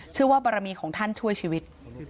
เชื่อว่าบารมีของท่านช่วยชีวิต